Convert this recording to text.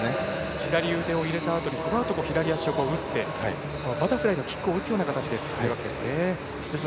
左腕を入れたあとにそのあとも左足を打ってバタフライのキックを打つような形で進んでいるわけですね。